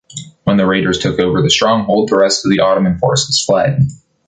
When the raiders took over the stronghold, the rest of the Ottoman forces fled.